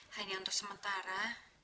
hanya untuk sementara